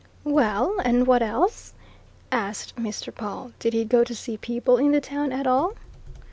"Well, and what else?" asked Mr. Pawle. "Did he go to see people in the town at all?"